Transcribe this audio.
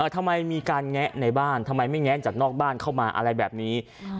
ทำไมมีการแงะในบ้านทำไมไม่แงะจากนอกบ้านเข้ามาอะไรแบบนี้